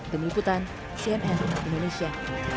demikian cnn indonesia